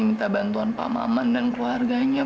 minta bantuan pak maman dan keluarganya